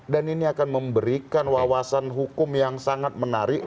dan ini akan memberikan wawasan hukum yang sangat menarik